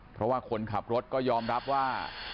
เพราะว่าคนขับรถก็ยอมรับว่า